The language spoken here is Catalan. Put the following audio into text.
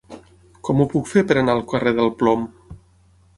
Com ho puc fer per anar al carrer del Plom?